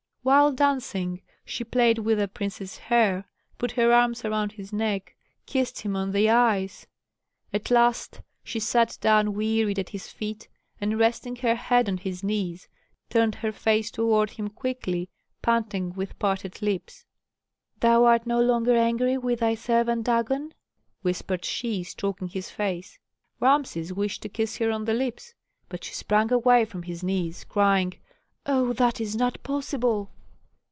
While dancing, she played with the prince's hair, put her arms around his neck, kissed him on the eyes. At last she sat down wearied at his feet, and, resting her head on his knees, turned her face toward him quickly, panting with parted lips. "Thou art no longer angry with thy servant Dagon?" whispered she, stroking his face. Rameses wished to kiss her on the lips, but she sprang away from his knees, crying, "Oh, that is not possible!"